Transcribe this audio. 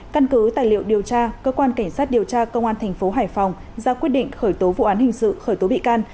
căn cứ tài liệu điều tra cơ quan cảnh sát điều tra công an thành phố hải phòng ra quyết định khởi tố vụ án hình sự khởi tố bị can